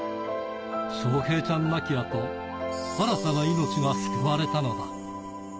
翔平ちゃん亡き後、新たな命が救われたのだ。